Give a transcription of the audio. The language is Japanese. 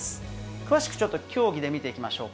詳しくちょっと競技で見ていきましょうか。